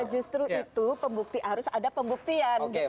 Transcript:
nah justru itu pembukti harus ada pembuktian